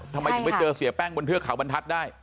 ทำไมถึงไปเจอเสียแป้งบนเทือกเขาบรรทัศน์ได้